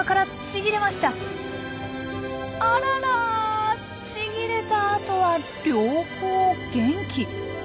ちぎれたあとは両方元気。